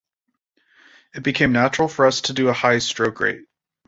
It became natural for us to do a high stroke rate.